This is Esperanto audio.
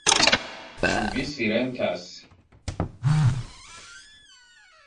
Ĉu vi silentas?